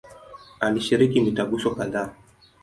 Alishiriki mitaguso kadhaa.